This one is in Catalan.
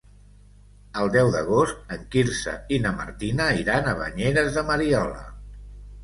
El deu d'agost en Quirze i na Martina iran a Banyeres de Mariola.